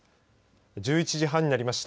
１１時半になりました。